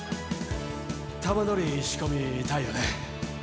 玉乗り仕込みたいよね。